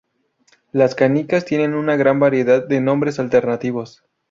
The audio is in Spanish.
Las canicas tienen una gran variedad de nombres alternativos.